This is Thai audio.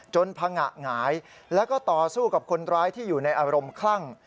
พังงะหงายแล้วก็ต่อสู้กับคนร้ายที่อยู่ในอารมณ์คลั่ง